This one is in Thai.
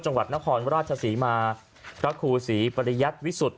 จังหวัดนครราชศรีมาพระครูศรีปริยัติวิสุทธิ